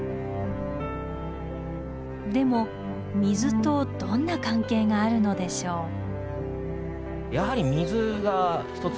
でも水とどんな関係があるのでしょう。